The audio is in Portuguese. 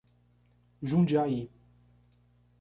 Jundiaí